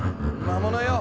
魔物よ